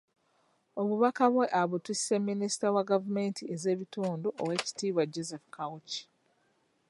Obubakabwe abutisse minisita wa gavumenti ez'ebitundu Oweekitibwa Joseph Kawuki.